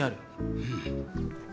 うん。